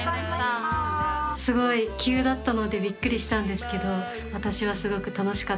すごい急だったのでびっくりしたんですけど私はすごく楽しかったです。